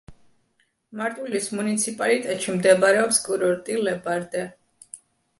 მარტვილის მუნიციპალიტეტში მდებარეობს კურორტი „ლებარდე“.